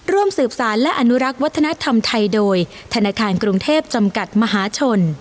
ร่วมสืบสารและอนุรักษ์วัฒนธรรมไทยโดยธนาคารกรุงเทพจำกัดมหาชน